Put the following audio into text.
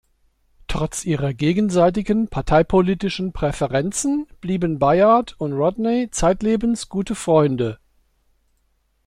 Trotz ihrer gegenseitigen parteipolitischen Präferenzen blieben Bayard und Rodney zeitlebens gute Freunde.